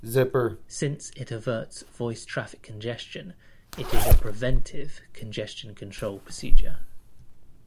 Since it averts voice traffic congestion, it is a "preventive" Congestion Control Procedure.